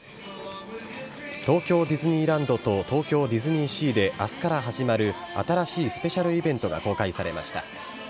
東京ディズニーランドと東京ディズニーシーで、あすから始まる新しいスペシャルイベントが公開されました。